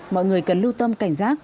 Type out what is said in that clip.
mọi người cần lưu tâm cảnh giác